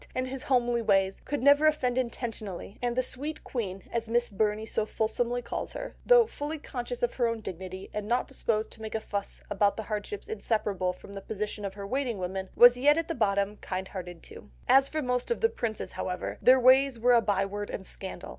and his homely ways, could never offend intentionally, and the "sweet queen," as Miss Burney so fulsomely calls her, though fully conscious of her own dignity, and not disposed to make a fuss about the hardships inseparable from the position of her waiting women, was yet at the bottom kind hearted too. As for most of the princes, however, their ways were a byword and scandal.